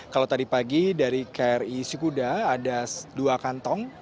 kalau tadi pagi dari kri sikuda ada dua kantong